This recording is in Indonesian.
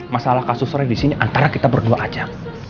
masalah kasus redisinya antara kita berdua aja